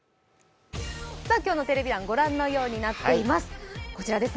今日のテレビ欄、ご覧のようになっています。